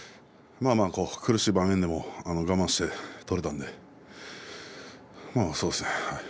まあまあ苦しい場面でも我慢して取れたんでそうですね。